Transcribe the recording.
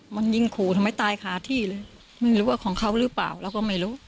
มันยิงขู่ทำไมตายคาที่เลยหรือว่าของเขาหรือเปล่าเราก็ไม่รู้